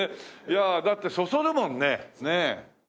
いやだってそそるもんね。